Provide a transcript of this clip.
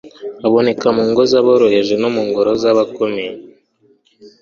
Uboneka mu ngo z’aboroheje, no mu ngoro z’abakomeye;